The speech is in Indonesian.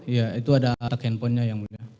iya itu ada handphonenya yang mulia